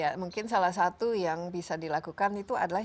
ya mungkin salah satu yang bisa dilakukan itu adalah